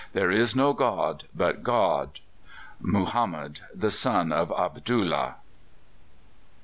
There is no God but God. "MUHAMMED, THE SON OF ABDULLAH."